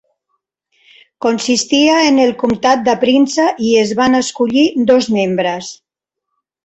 Consistia en el comtat de Prince i es van escollir dos membres.